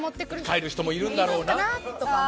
帰る人もいるんだろうな。